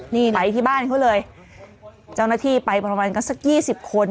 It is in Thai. นี่ไปที่บ้านเขาเลยเจ้าหน้าที่ไปประมาณกันสักยี่สิบคน